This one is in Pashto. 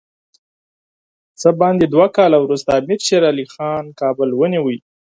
څه باندې دوه کاله وروسته امیر شېر علي خان کابل ونیوی.